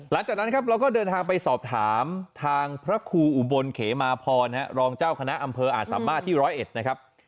หลังจากนั้นครับเราก็เดินทางไปสอบถามทางพระครูอุบลเขมาพรรองเจ้าคณะอำเภออาจสามารถที่ร้อยเอ็ดนะครับ